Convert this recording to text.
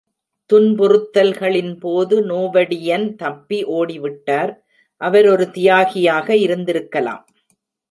துன்புறுத்தல்களின் போது நோவடியன் தப்பி ஓடிவிட்டார், அவர் ஒரு தியாகியாக இருந்திருக்கலாம்.